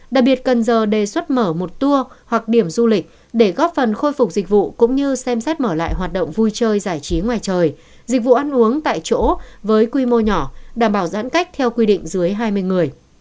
đặc biệt cần giờ đề xuất mở một tour hoặc điểm du lịch để góp phần khôi phục dịch vụ cũng như xem xét mở lại hoạt động vui chơi giải trí ngoài trời dịch vụ ăn uống tại chỗ với quy mô nhỏ đảm bảo giãn cách theo quy định dưới hai mươi người